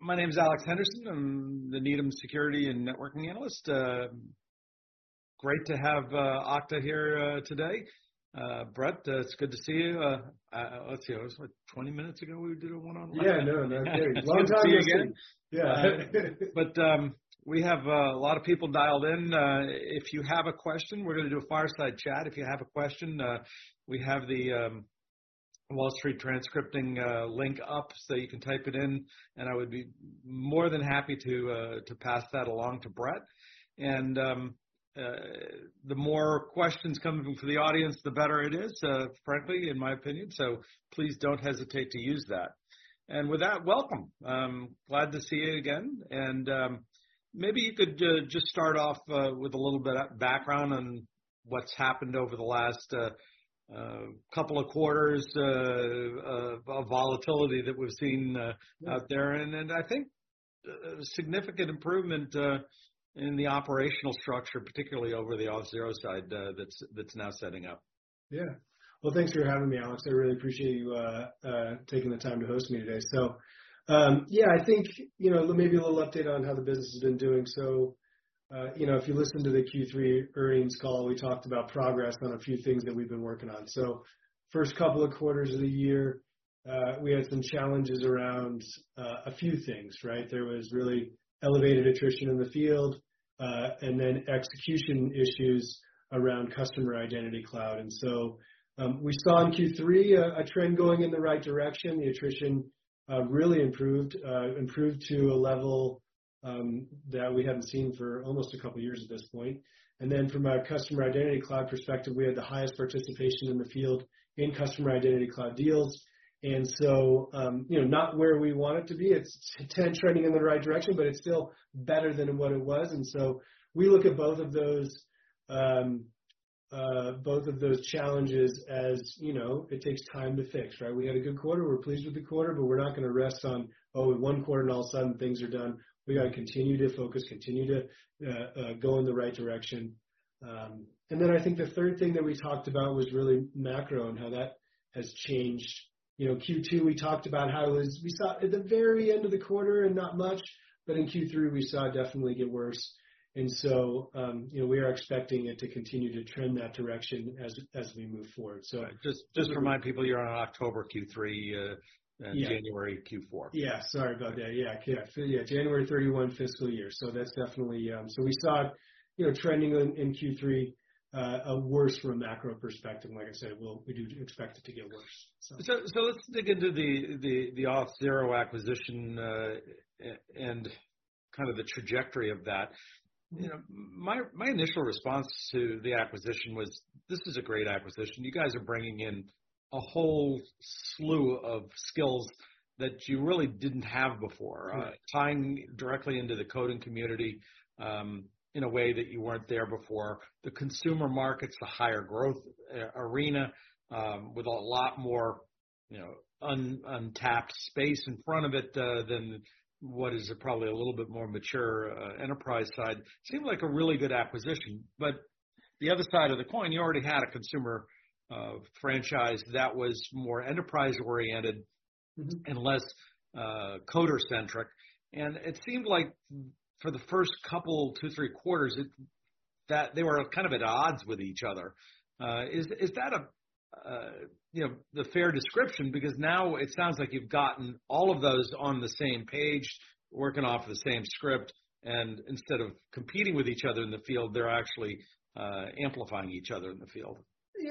My name is Alex Henderson. I'm the Needham Security and Networking Analyst. great to have Okta here today. Brett, it's good to see you. let's see, it was what, 20 minutes ago we would do a one-on-one? Yeah, no. Long time no see. It's good to see you again. Yeah. We have a lot of people dialed in. If you have a question, we're gonna do a fireside chat. If you have a question, we have The Wall Street Transcript link up, so you can type it in, and I would be more than happy to pass that along to Brett. The more questions coming from the audience, the better it is, frankly, in my opinion. So please don't hesitate to use that. With that, welcome. I'm glad to see you again. Maybe you could just start off with a little bit of background on what's happened over the last couple of quarters of volatility that we've seen out there. I think significant improvement in the operational structure, particularly over the Auth0 side, that's now setting up. Well, thanks for having me, Alex. I really appreciate you taking the time to host me today. I think, you know, maybe a little update on how the business has been doing. You know, if you listen to the Q3 earnings call, we talked about progress on a few things that we've been working on. First couple of quarters of the year, we had some challenges around a few things, right? There was really elevated attrition in the field, and then execution issues around Customer Identity Cloud. We saw in Q3 a trend going in the right direction. The attrition really improved to a level that we hadn't seen for almost a couple of years at this point. From a Customer Identity Cloud perspective, we had the highest participation in the field in Customer Identity Cloud deals. You know, not where we want it to be. It's trending in the right direction, but it's still better than what it was. We look at both of those, both of those challenges as, you know, it takes time to fix, right? We had a good quarter, we're pleased with the quarter, but we're not gonna rest on, oh, in one quarter and all of a sudden things are done. We gotta continue to focus, continue to go in the right direction. I think the third thing that we talked about was really macro and how that has changed. You know, Q2, we talked about how it was, we saw at the very end of the quarter and not much, but in Q3, we saw it definitely get worse. You know, we are expecting it to continue to trend that direction as we move forward. Just to remind people, you're on Okta Q3. Yeah. January Q4. Yeah. Sorry about that. Yeah. Yeah. January 31 fiscal year. That's definitely. We saw, you know, trending in Q3, a worse from a macro perspective, like I said, we do expect it to get worse. Let's dig into the Auth0 acquisition and kind of the trajectory of that. You know, my initial response to the acquisition was, this is a great acquisition. You guys are bringing in a whole slew of skills that you really didn't have before. Yeah. Tying directly into the coding community, in a way that you weren't there before. The consumer markets, the higher growth arena, with a lot more, you know, untapped space in front of it, than what is probably a little bit more mature enterprise side. Seemed like a really good acquisition. The other side of the coin, you already had a consumer franchise that was more enterprise-oriented. Mm-hmm. Less, coder-centric. It seemed like for the first couple, two, three quarters, that they were kind of at odds with each other. Is that a, you know, the fair description? Because now it sounds like you've gotten all of those on the same page, working off the same script, and instead of competing with each other in the field, they're actually, amplifying each other in the field.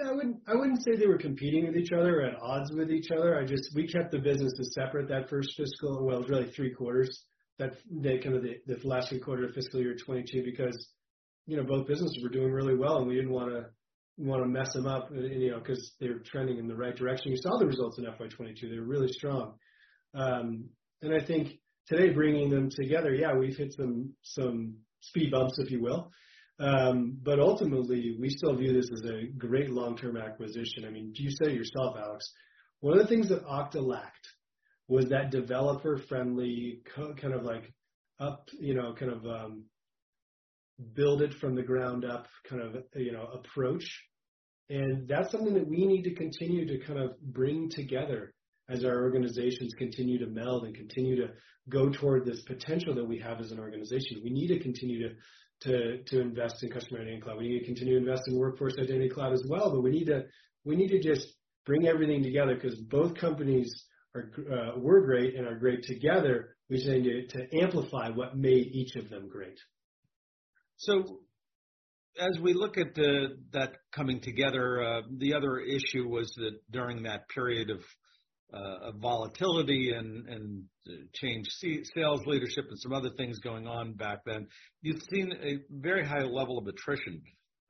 I wouldn't say they were competing with each other, at odds with each other. We kept the businesses separate that first fiscal, well, really three quarters, that the last quarter of fiscal year 2022, because, you know, both businesses were doing really well, and we didn't wanna mess them up, you know, 'cause they were trending in the right direction. We saw the results in FY 2022. They were really strong. I think today, bringing them together, yeah, we've hit some speed bumps, if you will. Ultimately, we still view this as a great long-term acquisition. I mean, you say it yourself, Alex, one of the things that Okta lacked was that developer-friendly kind of like up, you know, kind of, build it from the ground up kind of, you know, approach. That's something that we need to continue to kind of bring together as our organizations continue to meld and continue to go toward this potential that we have as an organization. We need to continue to invest in Customer Identity Cloud. We need to continue to invest in Workforce Identity Cloud as well. We need to just bring everything together 'cause both companies were great and are great together. We just need to amplify what made each of them great. As we look at, that coming together, the other issue was that during that period of volatility and change sales leadership and some other things going on back then, you'd seen a very high level of attrition.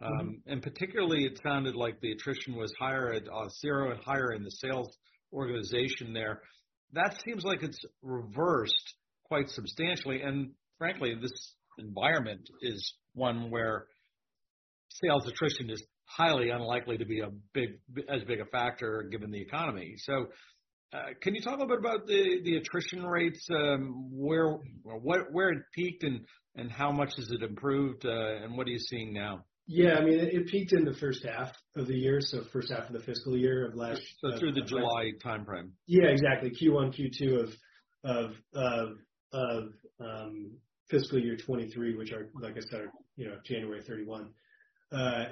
Mm-hmm. Particularly, it sounded like the attrition was higher at Auth0 and higher in the sales organization there. That seems like it's reversed quite substantially. Frankly, this environment is one where sales attrition is highly unlikely to be as big a factor given the economy. Can you talk a bit about the attrition rates? Where, what, where it peaked, and how much has it improved, and what are you seeing now? Yeah, I mean, it peaked in the first half of the year, so first half of the fiscal year of last- Through the July timeframe. Yeah, exactly. Q1, Q2 of fiscal year 2023, which are, like I said, are, you know, January 31,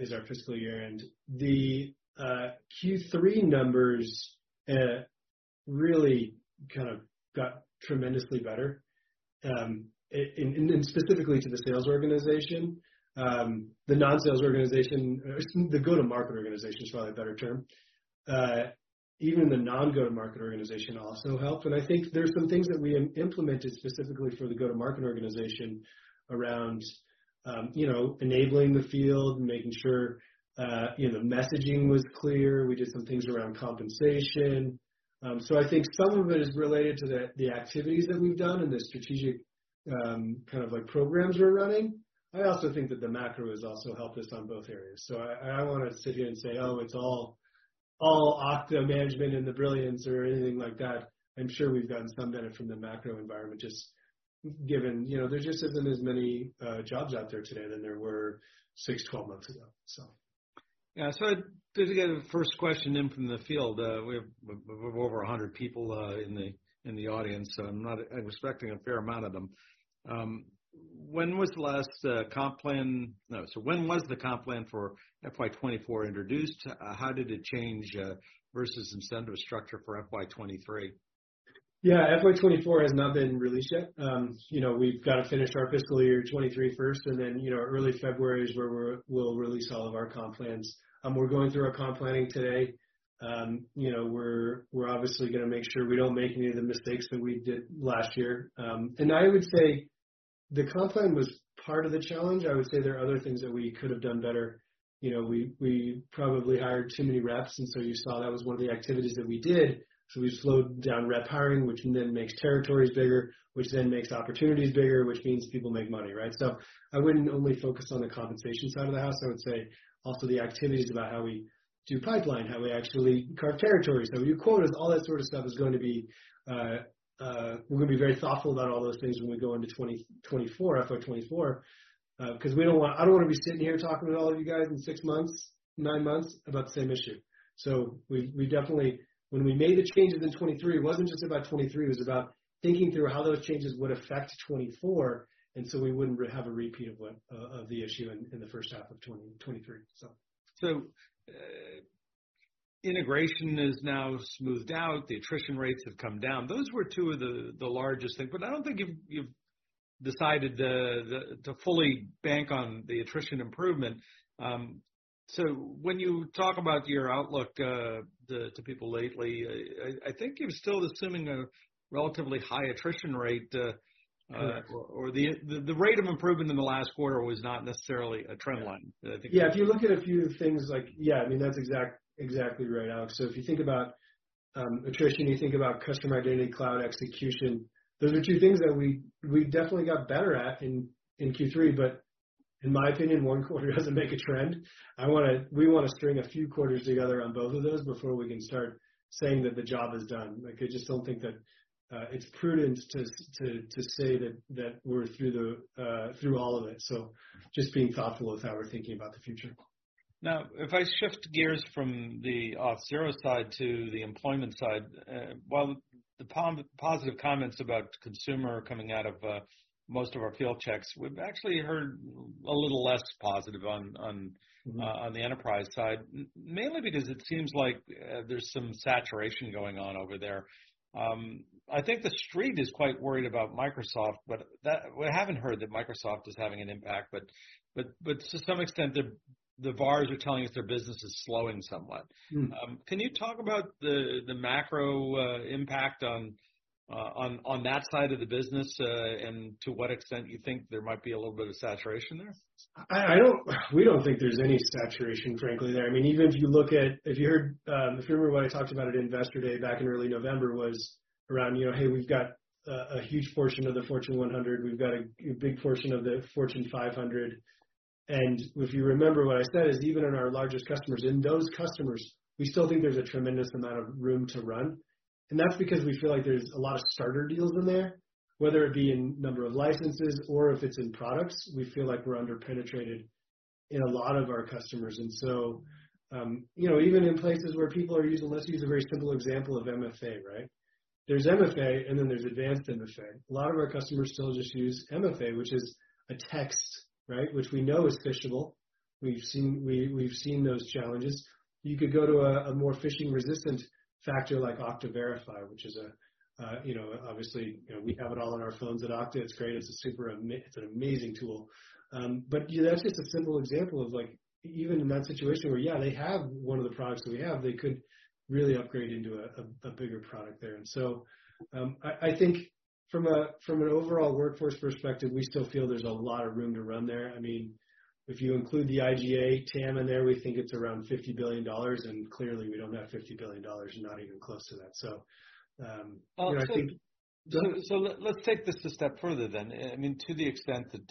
is our fiscal year. The Q3 numbers really kind of got tremendously better, and specifically to the sales organization. The non-sales organization or the go-to-market organization is probably a better term. Even the non-go-to-market organization also helped, but I think there's some things that we implemented specifically for the go-to-market organization around, you know, enabling the field and making sure, you know, messaging was clear. We did some things around compensation. I think some of it is related to the activities that we've done and the strategic, kind of like programs we're running. I also think that the macro has also helped us on both areas. I don't wanna sit here and say, "Oh, it's all Okta management and the brilliance," or anything like that. I'm sure we've gotten some benefit from the macro environment just given, you know, there just isn't as many jobs out there today than there were six, 12 months ago, so. To get a first question in from the field, we have over 100 people in the audience, so I'm expecting a fair amount of them. When was the comp plan for FY 2024 introduced? How did it change versus incentive structure for FY 2023? FY 2024 has not been released yet. You know, we've gotta finish our fiscal year 2023 first. Early February is where we'll release all of our comp plans. We're going through our comp planning today. You know, we're obviously gonna make sure we don't make any of the mistakes that we did last year. I would say the comp plan was part of the challenge. I would say there are other things that we could have done better. You know, we probably hired too many reps. You saw that was one of the activities that we did. We've slowed down rep hiring, which then makes territories bigger, which then makes opportunities bigger, which means people make money, right? I wouldn't only focus on the compensation side of the house. I would say also the activities about how we do pipeline, how we actually carve territories, how we do quotas, all that sort of stuff, we're gonna be very thoughtful about all those things when we go into 2024, FY 2024. I don't wanna be sitting here talking with all of you guys in six months, nine months about the same issue. We definitely, when we made the changes in 2023, it wasn't just about 2023. It was about thinking through how those changes would affect 2024, and so we wouldn't have a repeat of what of the issue in the first half of 2023. Integration is now smoothed out. The attrition rates have come down. Those were two of the largest things, but I don't think you've decided to fully bank on the attrition improvement. When you talk about your outlook to people lately, I think you're still assuming a relatively high attrition rate. Correct. The rate of improvement in the last quarter was not necessarily a trend line that I think. If you look at a few things like... I mean, that's exactly right, Alex. If you think about attrition, you think about Customer Identity Cloud execution, those are two things that we definitely got better at in Q3, but in my opinion, one quarter doesn't make a trend. We wanna string a few quarters together on both of those before we can start saying that the job is done. Like, I just don't think that it's prudent to say that we're through all of it, just being thoughtful of how we're thinking about the future. If I shift gears from the Auth0 side to the employment side, while the positive comments about consumer coming out of most of our field checks, we've actually heard a little less positive on the enterprise side, mainly because it seems like there's some saturation going on over there. I think the street is quite worried about Microsoft, but we haven't heard that Microsoft is having an impact, but to some extent, the VARs are telling us their business is slowing somewhat. Hmm. Can you talk about the macro impact on that side of the business and to what extent you think there might be a little bit of saturation there? We don't think there's any saturation, frankly, there. I mean, even if you look at. If you heard, if you remember what I talked about at Investor Day back in early November was around, you know, hey, we've got a huge portion of the Fortune 100. We've got a big portion of the Fortune 500. If you remember what I said is even in our largest customers, in those customers, we still think there's a tremendous amount of room to run. That's because we feel like there's a lot of starter deals in there, whether it be in number of licenses or if it's in products. We feel like we're under-penetrated in a lot of our customers. So, you know, even in places where people are using. Let's use a very simple example of MFA, right? There's MFA, and then there's advanced MFA. A lot of our customers still just use MFA, which is a text, right? Which we know is phishable. We've seen those challenges. You could go to a more phishing-resistant factor like Okta Verify, which is a, you know, obviously, you know, we have it all on our phones at Okta. It's great. It's an amazing tool. That's just a simple example of, like, even in that situation where, yeah, they have one of the products that we have, they could really upgrade into a bigger product there. I think from an overall workforce perspective, we still feel there's a lot of room to run there. I mean, if you include the IGA TAM in there, we think it's around $50 billion. Clearly, we don't have $50 billion, not even close to that. you know. Let's take this a step further then. I mean, to the extent that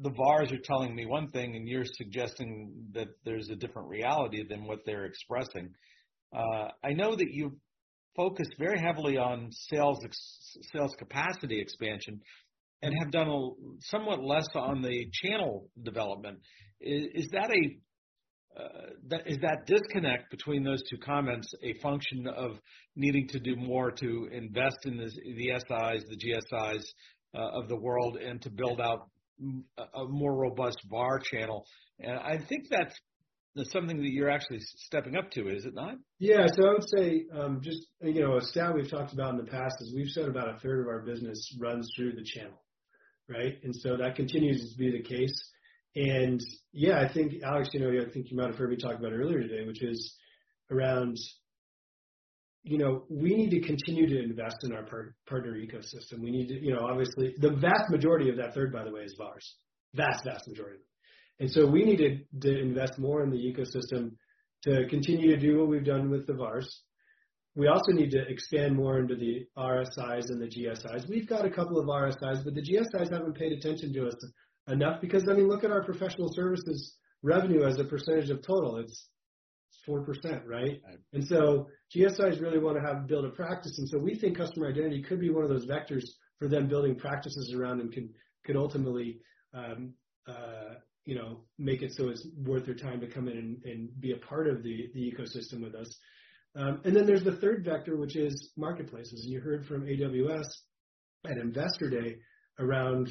the VARs are telling me one thing, and you're suggesting that there's a different reality than what they're expressing. I know that you've focused very heavily on sales capacity expansion and have done somewhat less on the channel development. Is that disconnect between those two comments a function of needing to do more to invest in this, the SIs, the GSIs of the world and to build out a more robust VAR channel? I think that's something that you're actually stepping up to, is it not? I would say, you know, a stat we've talked about in the past is we've said about a third of our business runs through the channel, right? That continues to be the case. I think Alex, you know, I think you might have heard me talk about it earlier today, which is around, you know, we need to continue to invest in our partner ecosystem. We need to, you know, obviously. The vast majority of that third, by the way, is VARs. Vast majority. We need to invest more in the ecosystem to continue to do what we've done with the VARs. We also need to expand more into the RSIs and the GSIs. We've got a couple of RSIs, but the GSIs haven't paid attention to us enough because, I mean, look at our professional services revenue as a percentage of total. It's 4%, right? Right. GSIs really wanna have to build a practice. We think Customer Identity could be one of those vectors for them building practices around and can ultimately, you know, make it so it's worth their time to come in and be a part of the ecosystem with us. There's the third vector, which is marketplaces. You heard from AWS at Investor Day around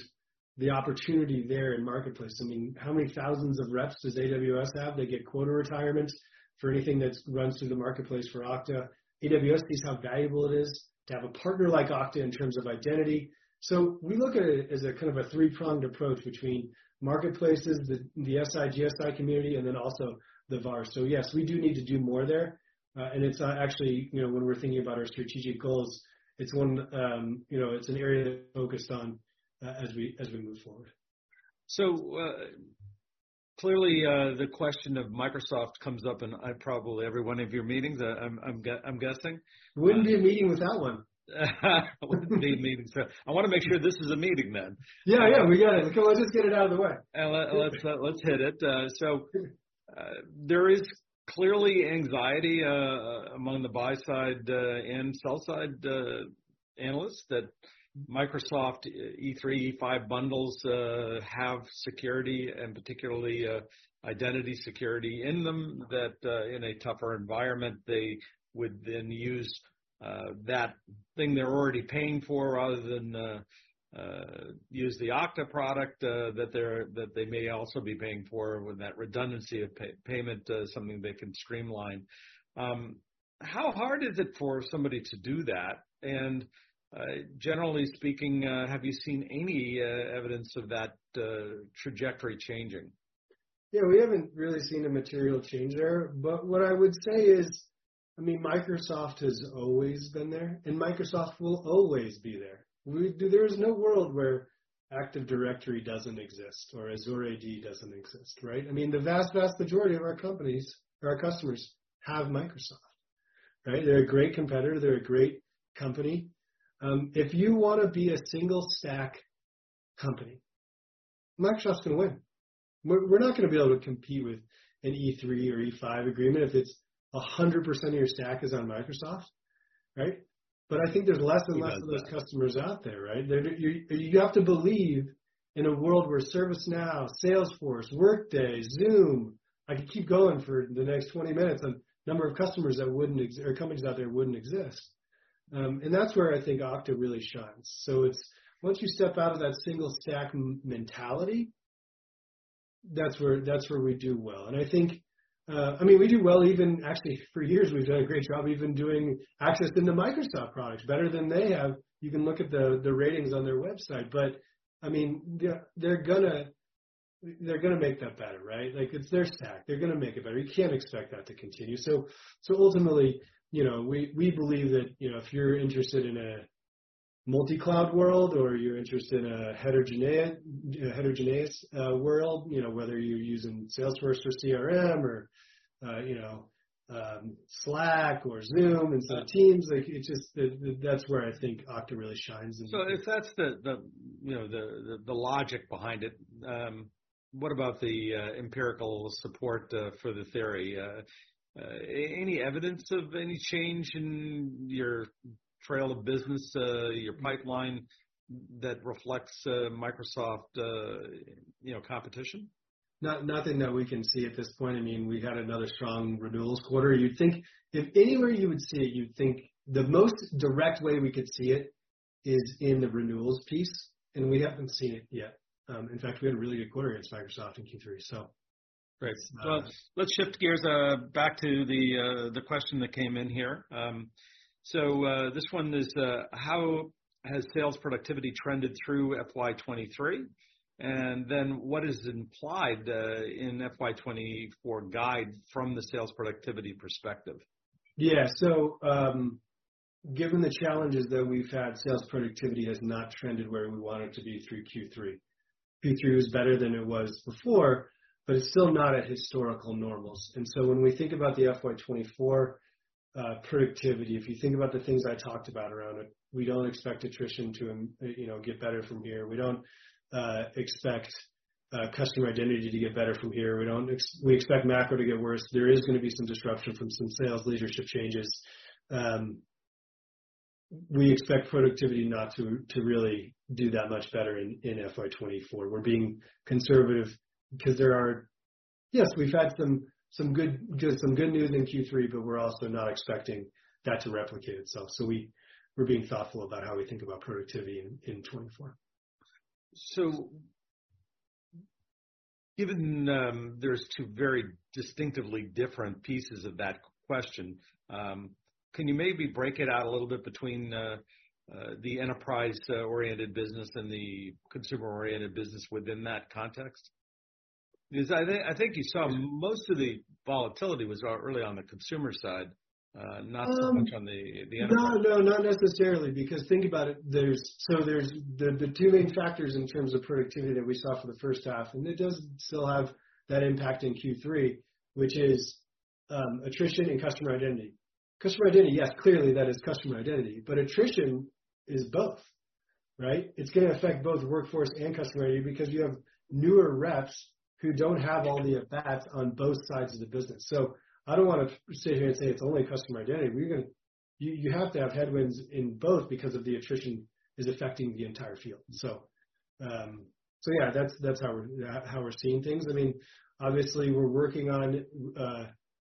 the opportunity there in marketplace. I mean, how many thousands of reps does AWS have? They get quota retirement for anything that's runs through the marketplace for Okta. AWS sees how valuable it is to have a partner like Okta in terms of identity. We look at it as a kind of a three-pronged approach between marketplaces, the SI, GSI community, and also the VARs. Yes, we do need to do more there. It's, actually, you know, when we're thinking about our strategic goals, it's one, you know, it's an area to focus on, as we, as we move forward. Clearly, the question of Microsoft comes up in, probably every one of your meetings, I'm guessing. Wouldn't be a meeting without one. Wouldn't be a meeting. I wanna make sure this is a meeting then. Yeah, yeah, we get it. Let's just get it out of the way. Let's hit it. There is clearly anxiety among the buy side and sell side analysts that Microsoft E3, E5 bundles have security and particularly identity security in them that in a tougher environment, they would then use that thing they're already paying for rather than use the Okta product that they're, that they may also be paying for when that redundancy of payment is something they can streamline. How hard is it for somebody to do that? Generally speaking, have you seen any evidence of that trajectory changing? Yeah, we haven't really seen a material change there. What I would say is, I mean, Microsoft has always been there, and Microsoft will always be there. There is no world where Active Directory doesn't exist or Azure AD doesn't exist, right? I mean, the vast majority of our companies or our customers have Microsoft, right? They're a great competitor. They're a great company. If you wanna be a single stack company, Microsoft's gonna win. We're not gonna be able to compete with an E3 or E5 agreement if it's 100% of your stack is on Microsoft, right? I think there's less and less- Who does that? of those customers out there, right? You have to believe in a world where ServiceNow, Salesforce, Workday, Zoom, I could keep going for the next 20 minutes on number of customers that wouldn't exist or companies out there wouldn't exist. That's where I think Okta really shines. Once you step out of that single stack mentality, that's where, that's where we do well. I think, I mean, we do well even actually for years, we've done a great job even doing access into Microsoft products better than they have. You can look at the ratings on their website. I mean, they're gonna make that better, right? Like, it's their stack. They're gonna make it better. You can't expect that to continue. Ultimately, you know, we believe that, you know, if you're interested in a multi-cloud world or you're interested in a heterogeneous world, you know, whether you're using Salesforce for CRM or, you know, Slack or Zoom and so Teams, like it's just that's where I think Okta really shines. If that's the, you know, the logic behind it, what about the empirical support for the theory? Any evidence of any change in your trail of business, your pipeline that reflects Microsoft, you know, competition? Nothing that we can see at this point. I mean, we had another strong renewals quarter. You'd think if anywhere you would see it, you'd think the most direct way we could see it is in the renewals piece. We haven't seen it yet. In fact, we had a really good quarter against Microsoft in Q3, so. Great. Well, let's shift gears, back to the question that came in here. This one is, how has sales productivity trended through FY 2023? What is implied, in FY 2024 guide from the sales productivity perspective? Yeah. Given the challenges that we've had, sales productivity has not trended where we want it to be through Q3. Q3 was better than it was before, but it's still not at historical normals. When we think about the FY 2024 productivity, if you think about the things I talked about around it, we don't expect attrition to, you know, get better from here. We don't expect Customer Identity to get better from here. We expect macro to get worse. There is gonna be some disruption from some sales leadership changes. We expect productivity not to really do that much better in FY 2024. We're being conservative because there are. Yes, we've had some good just some good news in Q3, but we're also not expecting that to replicate itself. We're being thoughtful about how we think about productivity in 2024. Given, there's two very distinctively different pieces of that question, can you maybe break it out a little bit between the enterprise-oriented business and the consumer-oriented business within that context? I think you saw most of the volatility was early on the consumer side, not so much on the enterprise. No, no, not necessarily. Think about it, there's the two main factors in terms of productivity that we saw for the first half, and it does still have that impact in Q3, which is attrition and Customer Identity. Customer Identity, yes, clearly that is Customer Identity, but attrition is both, right? It's gonna affect both Workforce Identity and Customer Identity because you have newer reps who don't have all the effects on both sides of the business. I don't wanna sit here and say it's only Customer Identity. You have to have headwinds in both because of the attrition is affecting the entire field. Yeah, that's how we're seeing things. I mean, obviously, we're working on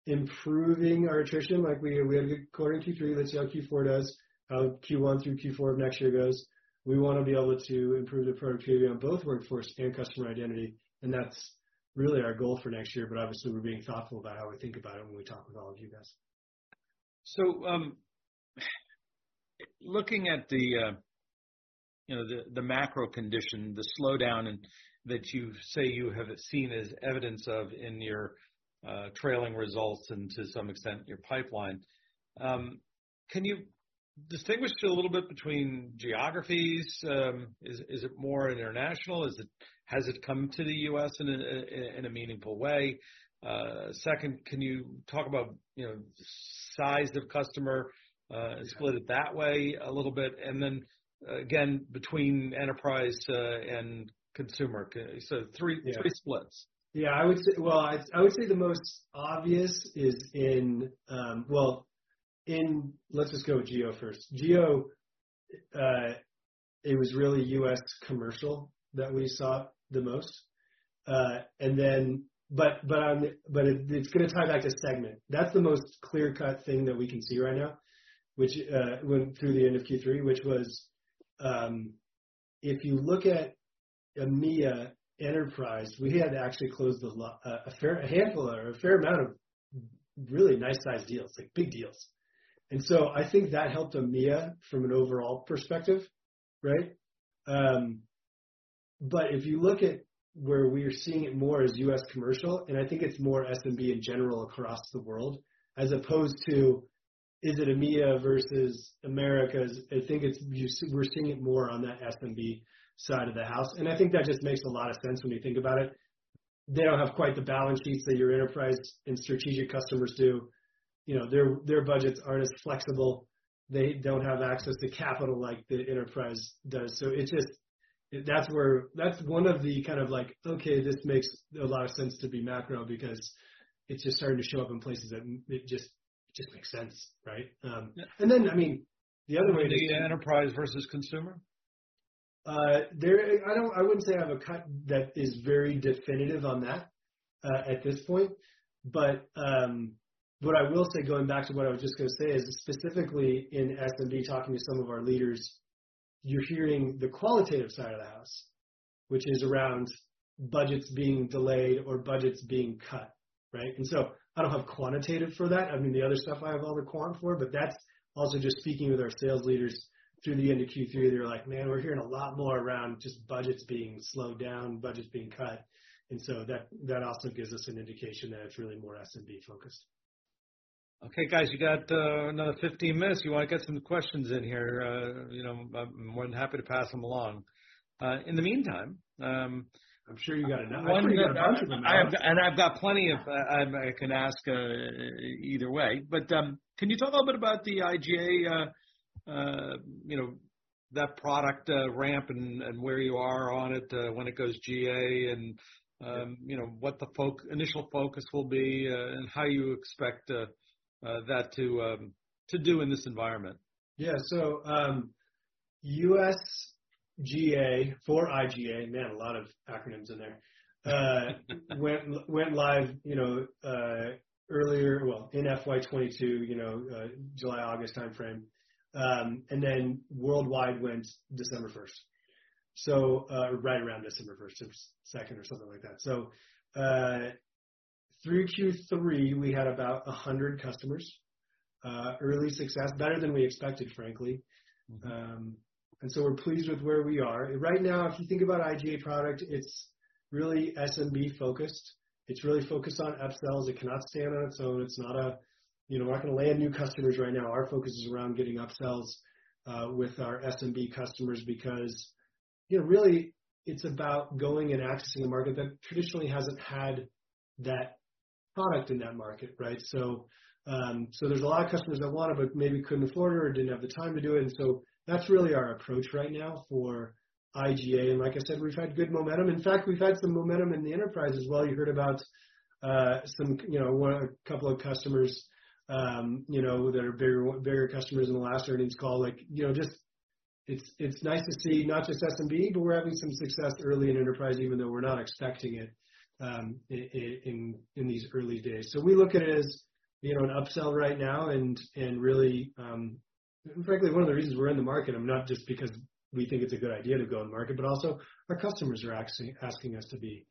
improving our attrition. Like we had a good quarter in Q3. Let's see how Q4 does, how Q1 through Q4 of next year goes. We wanna be able to improve the productivity on both workforce and customer identity, and that's really our goal for next year. Obviously, we're being thoughtful about how we think about it when we talk with all of you guys. Looking at the, you know, the macro condition, the slowdown that you say you have seen as evidence of in your trailing results and to some extent your pipeline, can you distinguish a little bit between geographies? Is it more international? Has it come to the U.S. in a meaningful way? Second, can you talk about, you know, size of customer, split it that way a little bit? Then again, between enterprise, and consumer. Three splits. Yeah. I would say the most obvious is in, Let's just go with geo first. Geo, it was really U.S. commercial that we saw the most. It's gonna tie back to segment. That's the most clear-cut thing that we can see right now, which went through the end of Q3, which was, if you look at EMEA enterprise, we had actually closed a handful or a fair amount of really nice sized deals, like big deals. I think that helped EMEA from an overall perspective, right? If you look at where we are seeing it more is U.S. commercial, and I think it's more SMB in general across the world, as opposed to is it EMEA versus Americas. I think we're seeing it more on that SMB side of the house. I think that just makes a lot of sense when you think about it. They don't have quite the balance sheets that your enterprise and strategic customers do. You know, their budgets aren't as flexible. They don't have access to capital like the enterprise does. That's one of the kind of like, okay, this makes a lot of sense to be macro because it's just starting to show up in places that it just makes sense, right? I mean, the other way. EMEA enterprise versus consumer. I wouldn't say I have a cut that is very definitive on that at this point. What I will say, going back to what I was just gonna say, is specifically in SMB, talking to some of our leaders, you're hearing the qualitative side of the house, which is around budgets being delayed or budgets being cut, right? I don't have quantitative for that. I mean, the other stuff I have all the quant for, but that's also just speaking with our sales leaders through the end of Q3. They're like, "Man, we're hearing a lot more around just budgets being slowed down, budgets being cut." That also gives us an indication that it's really more SMB-focused. Okay, guys, we got another 15 minutes. You wanna get some questions in here, you know, I'm more than happy to pass them along. In the meantime. I'm sure you got a bunch of them now. I've got plenty of, I can ask either way. Can you talk a little bit about the IGA, you know, that product ramp and where you are on it, when it goes GA and, you know, what the initial focus will be, and how you expect that to do in this environment? Yeah. U.S. GA for IGA, man, a lot of acronyms in there. Went live, you know, earlier. Well, in FY 2022, you know, July, August timeframe. Worldwide went December 1st. Right around December 1st or 2nd or something like that. Through Q3, we had about 100 customers. Early success, better than we expected, frankly. We're pleased with where we are. Right now, if you think about IGA product, it's really SMB focused. It's really focused on upsells. It cannot stand on its own. It's not a, you know, we're not gonna land new customers right now. Our focus is around getting upsells with our SMB customers because, you know, really it's about going and accessing the market that traditionally hasn't had that product in that market, right? There's a lot of customers that want it but maybe couldn't afford it or didn't have the time to do it. That's really our approach right now for IGA. Like I said, we've had good momentum. In fact, we've had some momentum in the enterprise as well. You heard about a couple of customers that are bigger customers in the last earnings call. Just it's nice to see not just SMB, but we're having some success early in enterprise, even though we're not expecting it in these early days. We look at it as, you know, an upsell right now and really, frankly, one of the reasons we're in the market, I'm not just because we think it's a good idea to go in the market, but also our customers are asking us to be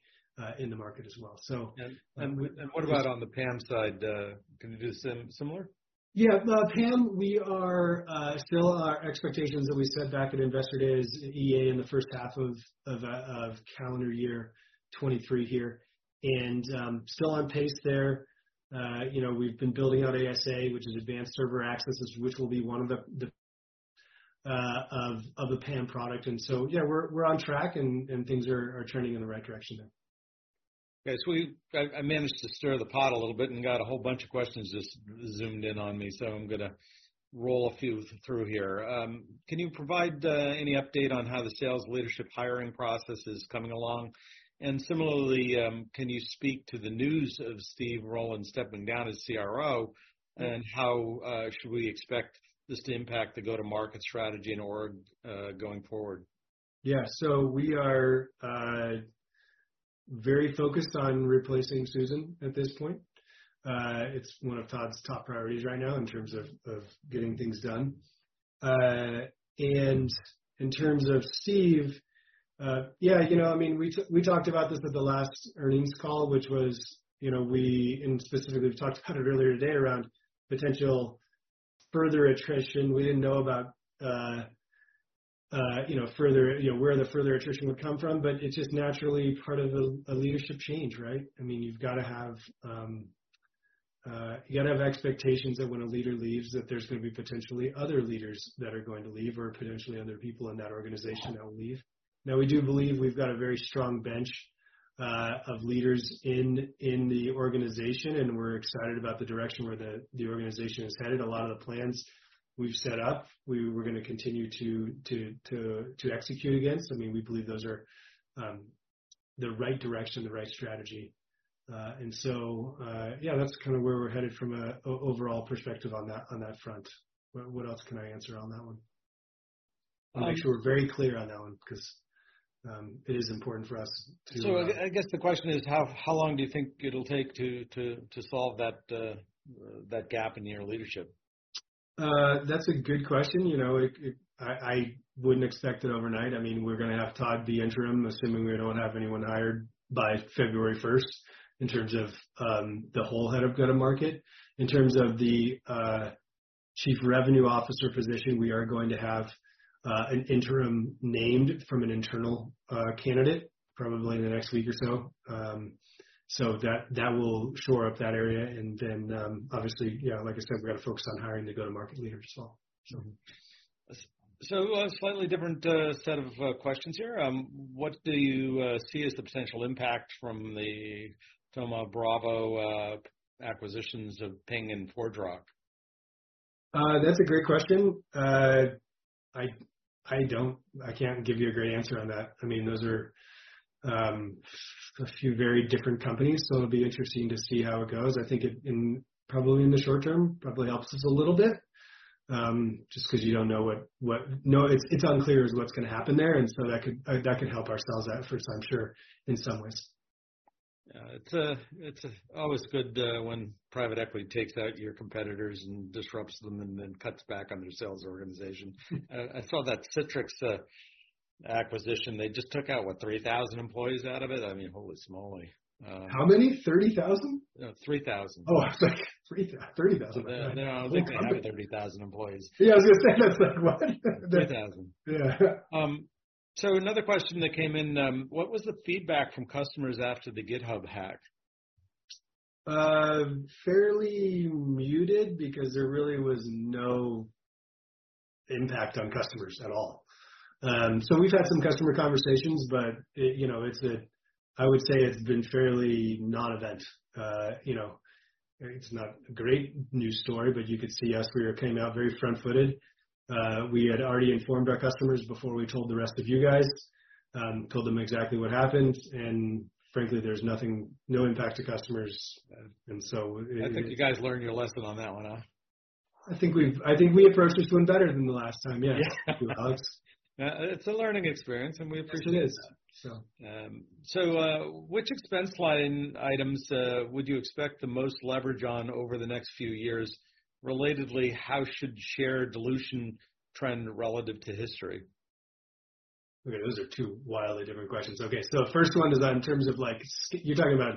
in the market as well, so. What about on the PAM side? Can you do similar? Yeah. PAM, we are still our expectations that we set back at Investor Day is EA in the first half of calendar year 2023 here. Still on pace there. You know, we've been building out ASA, which is Advanced Server Access, which will be one of the PAM product. Yeah, we're on track and things are trending in the right direction there. Okay. I managed to stir the pot a little bit and got a whole bunch of questions just zoomed in on me, so I'm gonna roll a few through here. Can you provide any update on how the sales leadership hiring process is coming along? Similarly, can you speak to the news of Steve Rowland stepping down as CRO, how should we expect this to impact the go-to-market strategy and org going forward? Yeah. We are very focused on replacing Susan at this point. It's one of Todd's top priorities right now in terms of getting things done. In terms of Steve, yeah, you know, I mean, we talked about this at the last earnings call, which was, you know, we, and specifically we've talked about it earlier today around potential further attrition. We didn't know about, you know, further, you know, where the further attrition would come from, but it's just naturally part of a leadership change, right? I mean, you've gotta have expectations that when a leader leaves that there's gonna be potentially other leaders that are going to leave or potentially other people in that organization that will leave. We do believe we've got a very strong bench of leaders in the organization. We're excited about the direction where the organization is headed. A lot of the plans we've set up, we're gonna continue to execute against. I mean, we believe those are the right direction, the right strategy. yeah, that's kinda where we're headed from a overall perspective on that, on that front. What else can I answer on that one? I'll make sure we're very clear on that one 'cause it is important for us to. I guess the question is how long do you think it'll take to solve that gap in your leadership? That's a good question. You know, I wouldn't expect it overnight. I mean, we're gonna have Todd the interim, assuming we don't have anyone hired by February first in terms of the whole head of go-to-market. In terms of the chief revenue officer position, we are going to have an interim named from an internal candidate probably in the next week or so. That will shore up that area. Obviously, yeah, like I said, we gotta focus on hiring the go-to-market leaders as well. A slightly different set of questions here. What do you see as the potential impact from the Thoma Bravo acquisitions of Ping and ForgeRock? That's a great question. I can't give you a great answer on that. I mean, those are a few very different companies. It'll be interesting to see how it goes. I think it, in, probably in the short term, probably helps us a little bit, just 'cause you don't know what. No, it's unclear as to what's gonna happen there. That could help our sales efforts, I'm sure, in some ways. Yeah. It's always good when private equity takes out your competitors and disrupts them and then cuts back on their sales organization. I saw that Citrix acquisition. They just took out, what, 3,000 employees out of it? I mean, holy moly. How many? 30,000? No, $3,000. Oh, I was like, 30,000. No, I don't think they have 30,000 employees. Yeah, I was gonna say, that's like, what? $3,000. Yeah. Another question that came in, what was the feedback from customers after the GitHub hack? Fairly muted because there really was no impact on customers at all. We've had some customer conversations, but it, you know, I would say it's been fairly non-event. You know, it's not a great news story, but you could see us, we came out very front-footed. We had already informed our customers before we told the rest of you guys, told them exactly what happened. Frankly, there's nothing, no impact to customers. I think you guys learned your lesson on that one, huh? I think we approached this one better than the last time, yes. Yeah. Alex. it's a learning experience, and we appreciate that. Yes, it is. Which expense line items would you expect the most leverage on over the next few years? Relatedly, how should share dilution trend relative to history? Okay, those are two wildly different questions. Okay, first one is on terms of, like, you're talking about,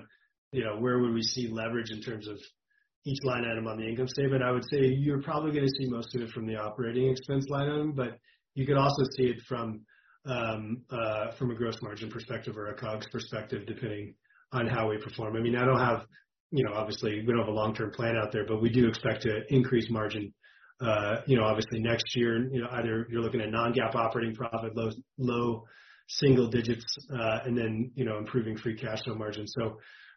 you know, where would we see leverage in terms of each line item on the income statement, I would say you're probably gonna see most of it from the operating expense line item, but you could also see it from a gross margin perspective or a COGS perspective, depending on how we perform. I mean, I don't have, you know, obviously, we don't have a long-term plan out there, but we do expect to increase margin, you know, obviously next year. You know, either you're looking at non-GAAP operating profit, low, low single digits, and then, you know, improving free cash flow margin.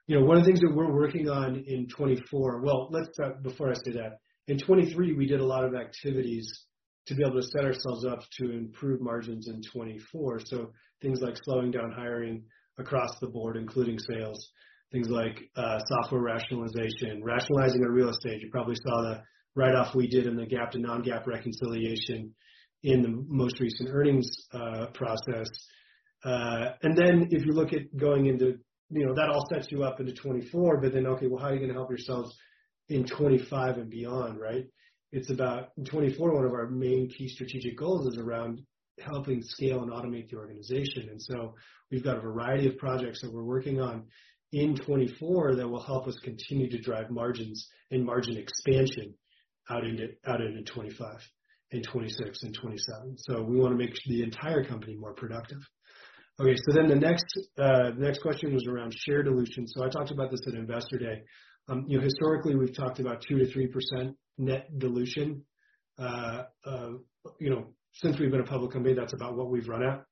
One of the things that we're working on in 2024... Let's before I say that, in 2023 we did a lot of activities to be able to set ourselves up to improve margins in 2024. Things like slowing down hiring across the board, including sales. Things like software rationalization, rationalizing the real estate. You probably saw the write-off we did in the GAAP to non-GAAP reconciliation in the most recent earnings process. If you look at going into, you know, that all sets you up into 2024, okay, well, how are you gonna help yourselves in 2025 and beyond, right? It's about, in 2024 one of our main key strategic goals is around helping scale and automate the organization. We've got a variety of projects that we're working on in 2024 that will help us continue to drive margins and margin expansion out into 2025, 2026, and 2027. We wanna make the entire company more productive. Okay, the next question was around share dilution. I talked about this at Investor Day. You know, historically, we've talked about 2%-3% net dilution. You know, since we've been a public company, that's about what we've run at.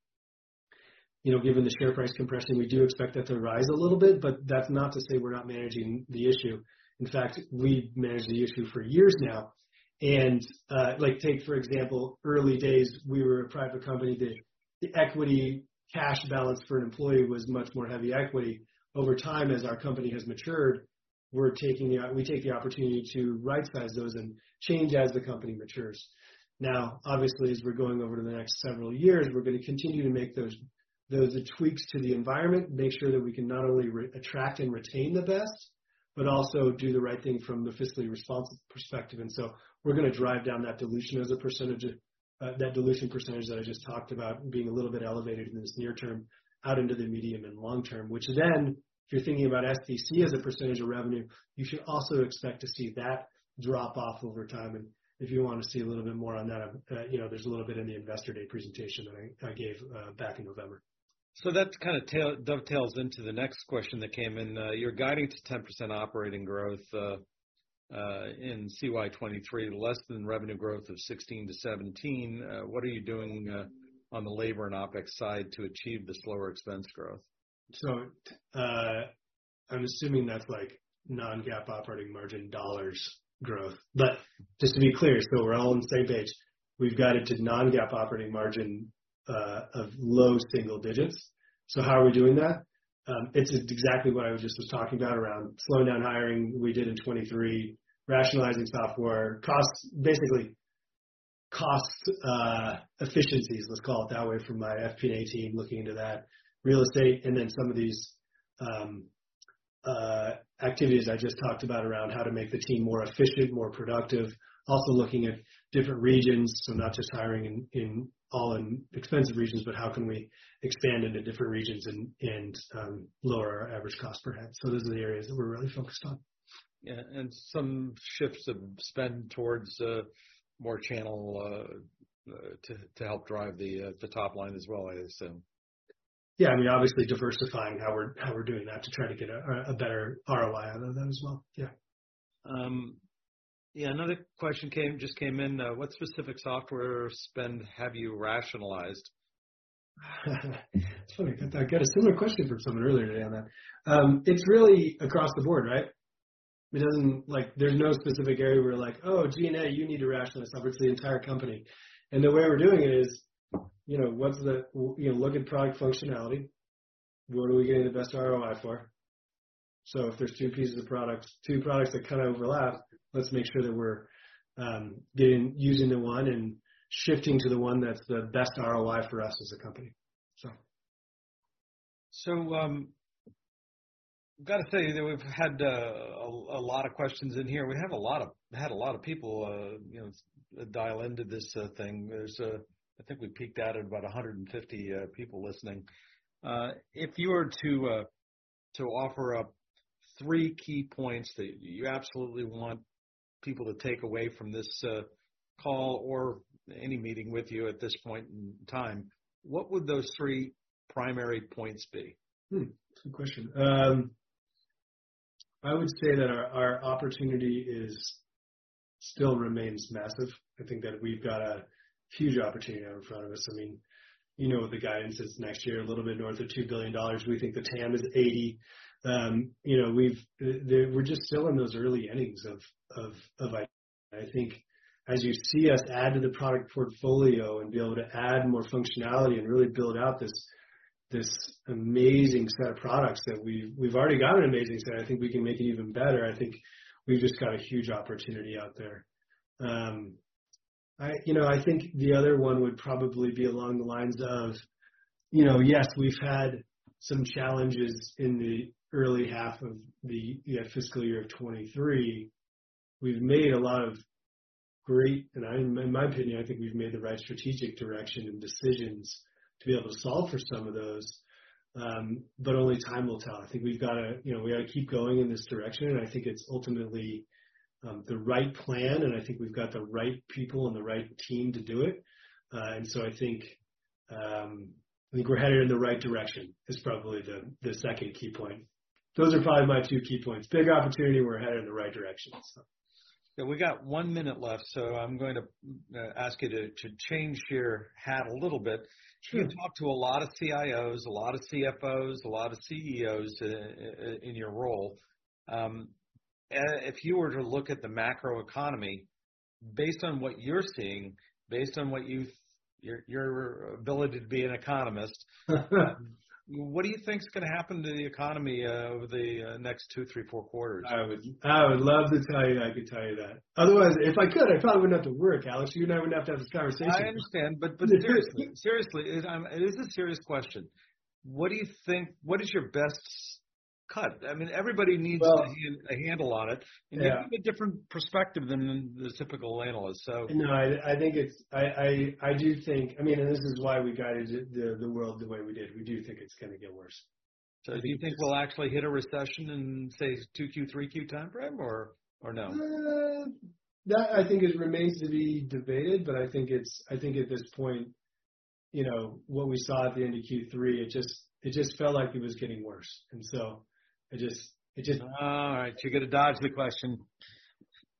You know, given the share price compression, we do expect that to rise a little bit, but that's not to say we're not managing the issue. In fact, we've managed the issue for years now. Like take, for example, early days, we were a private company. The equity cash balance for an employee was much more heavy equity. Over time, as our company has matured, we take the opportunity to right-size those and change as the company matures. Now, obviously, as we're going over the next several years, we're gonna continue to make those tweaks to the environment, make sure that we can not only attract and retain the best, but also do the right thing from the fiscally response perspective. We're gonna drive down that dilution as a percentage of that dilution percent that I just talked about being a little bit elevated in this near term out into the medium and long term, which then if you're thinking about SBC as a percentage of revenue, you should also expect to see that drop off over time. If you wanna see a little bit more on that, you know, there's a little bit in the Investor Day presentation that I gave back in November. That kinda dovetails into the next question that came in. You're guiding to 10% operating growth in CY 2023, less than revenue growth of 16%-17%. What are you doing on the labor and OpEx side to achieve this lower expense growth? I'm assuming that's like non-GAAP operating margin dollars growth. Just to be clear, we're all on the same page, we've guided to non-GAAP operating margin of low single digits. How are we doing that? It's just exactly what I just was talking about around slowing down hiring we did in 2023, rationalizing software costs. Basically, cost efficiencies, let's call it that way, from my FP&A team looking into that real estate and then some of these activities I just talked about around how to make the team more efficient, more productive. Also looking at different regions, so not just hiring in all expensive regions, but how can we expand into different regions and lower our average cost perhaps. Those are the areas that we're really focused on. Yeah. Some shifts of spend towards, more channel, to help drive the top line as well, I assume. Yeah, I mean, obviously diversifying how we're doing that to try to get a better ROI out of them as well. Yeah. Another question just came in. What specific software spend have you rationalized? It's funny, I got a similar question from someone earlier today on that. It's really across the board, right? Like, there's no specific area where like, "Oh, G&A, you need to rationalize." It's the entire company. The way we're doing it is, you know, what's the... You know, look at product functionality. What are we getting the best ROI for? If there's two pieces of products, two products that kind of overlap, let's make sure that we're using the one and shifting to the one that's the best ROI for us as a company. Gotta tell you that we've had a lot of questions in here. We had a lot of people, you know, dial into this thing. There's, I think we peaked out at about 150 people listening. If you were to offer up three key points that you absolutely want people to take away from this call or any meeting with you at this point in time, what would those three primary points be? Good question. I would say that our opportunity still remains massive. I think that we've got a huge opportunity out in front of us. I mean, you know, the guidance is next year, a little bit north of $2 billion. We think the TAM is 80. You know, we've just still in those early innings of IT. I think as you see us add to the product portfolio and be able to add more functionality and really build out this amazing set of products that we've already got an amazing set. I think we can make it even better. I think we've just got a huge opportunity out there. I, you know, I think the other one would probably be along the lines of, you know, yes, we've had some challenges in the early half of the fiscal year 2023. Great. In my opinion, I think we've made the right strategic direction and decisions to be able to solve for some of those, but only time will tell. I think we've gotta, you know, we gotta keep going in this direction, and I think it's ultimately the right plan, and I think we've got the right people and the right team to do it. I think we're headed in the right direction is probably the second key point. Those are probably my two key points. Big opportunity, we're headed in the right direction. Yeah. We got one minute left. I'm going to ask you to change your hat a little bit. Sure. You talk to a lot of CIOs, a lot of CFOs, a lot of CEOs in your role. If you were to look at the macro economy, based on what you're seeing, based on what you've... Your ability to be an economist. What do you think is gonna happen to the economy over the next two, three, four quarters? I would love to tell you that I could tell you that. Otherwise, if I could, I probably wouldn't have to work, Alex. You and I wouldn't have to have this conversation. I understand. Seriously, seriously, it is a serious question. What do you think? What is your best cut? I mean, everybody needs. Well. A handle on it. Yeah. You have a different perspective than the typical analyst. No, I think it's. I do think I mean, and this is why we guided the world the way we did. We do think it's gonna get worse. Do you think we'll actually hit a recession in, say, two Q, three Q timeframe or no? That I think is remains to be debated, but I think at this point, you know, what we saw at the end of Q3, it just felt like it was getting worse. I just. All right, you're gonna dodge the question.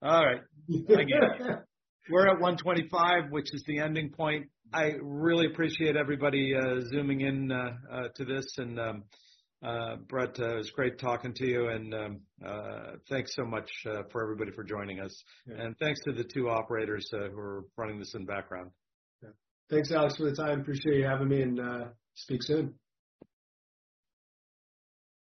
All right. I get it. We're at 125, which is the ending point. I really appreciate everybody, Zooming in to this. Brett, it was great talking to you and thanks so much for everybody for joining us. Yeah. Thanks to the two operators, who are running this in the background. Yeah. Thanks, Alex, for the time. Appreciate you having me and speak soon.